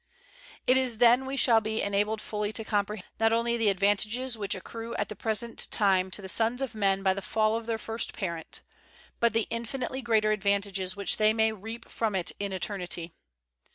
It is then we shall be enabled fully to com prehend, not only the advantages which accrue at the present time to the sons of men by the fall of their first parent, but the infinitely greater advantages which they may reap from it in eternity.